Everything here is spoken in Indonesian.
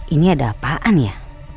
ini ada apaan ya